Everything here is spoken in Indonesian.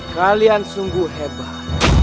kalian sungguh hebat